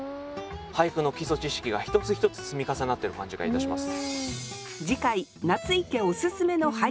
俳句の基礎知識が一つ一つ積み重なってる感じがいたします。